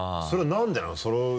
それは何でなの？